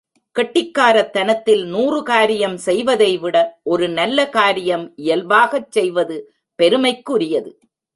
கெட்டிக்காரத் தனத்தில் நூறு காரியம் செய்வதைவிட ஒரு நல்ல காரியம் இயல்பாகச் செய்வது பெருமைக்குரியது.